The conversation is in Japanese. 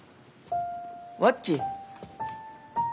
ワッチ。